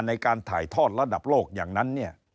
ในการถ่ายทอดระดับโลกอย่างนั้นเนี่ย